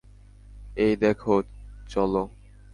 এই, দেখে চলো।